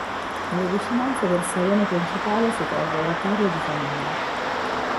Nelle vicinanze del salone principale si trova l'oratorio di famiglia.